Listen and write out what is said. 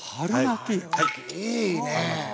いいねえ！